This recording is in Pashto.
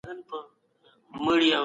د کار ځواک کمښت د صنعت لپاره خطر دی.